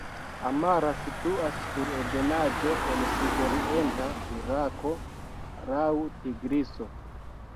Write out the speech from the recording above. Amara situas sur ebenaĵo en sudorienta Irako laŭ Tigriso.